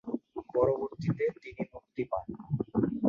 পরবর্তীতে, তিনি মুক্তি পান।